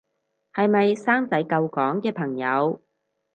係咪生仔救港嘅朋友